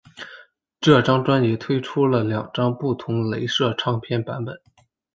这张专辑推出了两只不同雷射唱片版本。